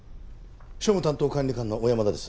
庶務担当管理官の小山田です。